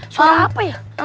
suara apa ya